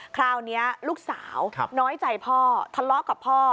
คราวนี้ลูกสาวน้อยใจพ่อทะเลาะกับพ่อ